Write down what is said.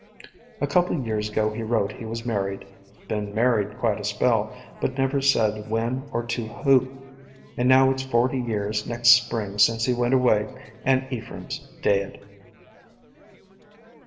A couple o' years ago he wrote he was married, been married quite a spell, but never said when or to who; and now it 's forty years next Spring since he went away, and Ephraim's dead."